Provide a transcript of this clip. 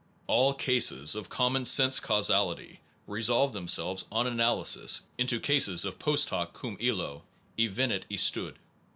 ... All cases of common sense causality resolve themselves, on analysis, into cases of post hoc, cum illo, evenit istud.